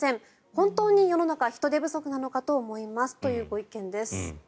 本当に世の中人手不足なのかと思いますというご意見です。